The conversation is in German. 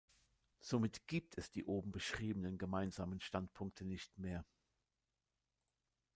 Somit gibt es die oben beschriebenen gemeinsamen Standpunkte nicht mehr.